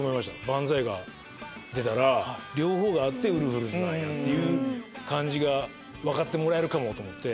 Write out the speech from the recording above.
『バンザイ』が出たら両方があってウルフルズって感じが分かってもらえるかもと思って。